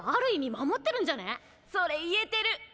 それ言えてる！